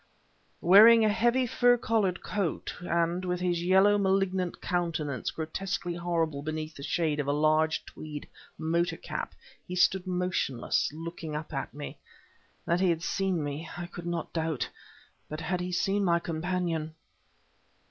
Wearing a heavy fur collared coat, and with his yellow, malignant countenance grotesquely horrible beneath the shade of a large tweed motor cap, he stood motionless, looking up at me. That he had seen me, I could not doubt; but had he seen my companion?